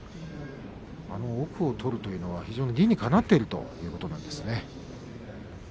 奥を取るというのは理にかなっているということなんですね。